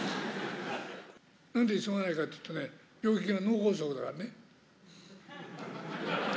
なんで急がないかというとね、病気が脳梗塞だからね。